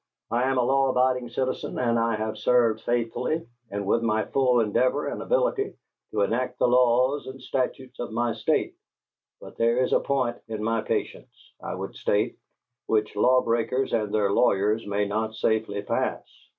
'I am a law abiding citizen, and I have served faithfully, and with my full endeavor and ability, to enact the laws and statutes of my State, but there is a point in my patience, I would state, which lawbreakers and their lawyers may not safely pass.